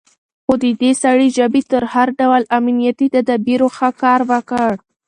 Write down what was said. خو د دې سړي ژبې تر هر ډول امنيتي تدابيرو ښه کار وکړ.